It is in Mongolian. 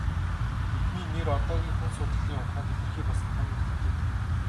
Эдний нэр одоогийн хүн судлалын ухаанд илэрхий болсон том эрдэмтэд.